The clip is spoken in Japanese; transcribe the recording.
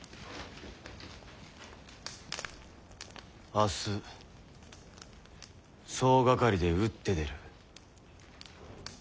明日総掛かりで打って出る。